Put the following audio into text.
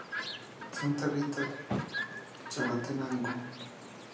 Santa Rita, Chalatenango